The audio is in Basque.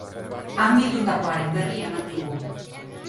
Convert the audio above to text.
Han bildutakoaren berri eman digu.